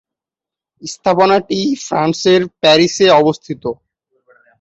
স্থাপনাটি ফ্রান্সের প্যারিসে অবস্থিত।